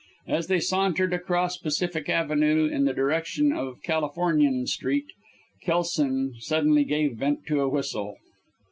As they sauntered across Pacific Avenue, in the direction of Californian Street, Kelson suddenly gave vent to a whistle.